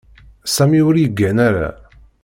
Sami ur yeggan ara.